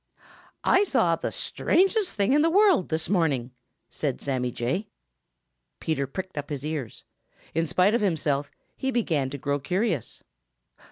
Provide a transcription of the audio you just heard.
"I saw the strangest thing in the world this morning," said Sammy Jay. Peter pricked up his ears. In spite of himself, he began to grow curious.